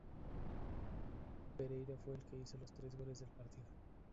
Pereira fue el que hizo los tres goles del partido.